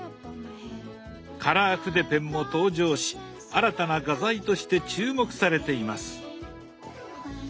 カラー筆ペンも登場し新たな画材として注目されています。